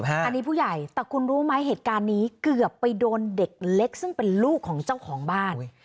อันนี้ผู้ใหญ่แต่คุณรู้ไหมเหตุการณ์นี้เกือบไปโดนเด็กเล็กซึ่งเป็นลูกของเจ้าของบ้าน